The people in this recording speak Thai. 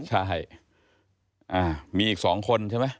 ใช่มีอีก๒คนใช่ไหม